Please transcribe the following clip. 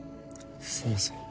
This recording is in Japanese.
すみません。